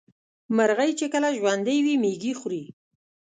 مرغۍ چې کله ژوندۍ وي مېږي خوري.